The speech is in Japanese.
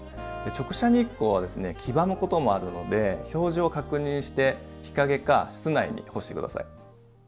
直射日光は黄ばむこともあるので表示を確認して日陰か室内に干して下さい。